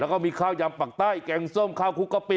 แล้วก็มีข้าวยำปักใต้แกงส้มข้าวคุกกะปิ